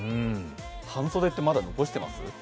半袖ってまだ残してます？